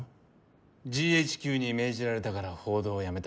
「ＧＨＱに命じられたから報道をやめた」。